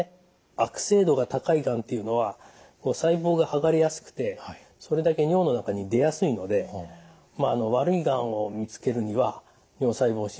悪性度が高いがんっていうのは細胞が剥がれやすくてそれだけ尿の中に出やすいので悪いがんを見つけるには尿細胞診はかなり有力ですね。